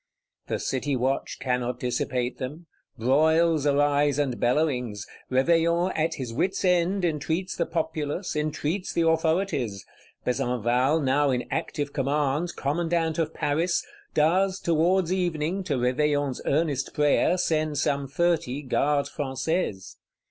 The City watch cannot dissipate them; broils arise and bellowings; Réveillon, at his wits' end, entreats the Populace, entreats the authorities. Besenval, now in active command, Commandant of Paris, does, towards evening, to Réveillon's earnest prayer, send some thirty Gardes Françaises.